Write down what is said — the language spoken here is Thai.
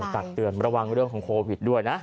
ตักเตือนระวังเรื่องของโควิดด้วยนะ